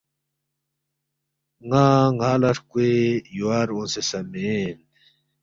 نہ ن٘ا لہ ہرکوے یُوار اونگسے سہ مین